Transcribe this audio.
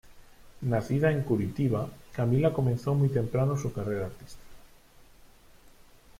Nacida en Curitiba, Camila comenzó muy temprano su carrera artística.